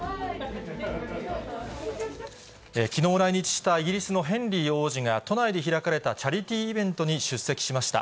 きのう来日したイギリスのヘンリー王子が、都内で開かれたチャリティーイベントに出席しました。